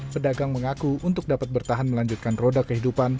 pedagang mengaku untuk dapat bertahan melanjutkan roda kehidupan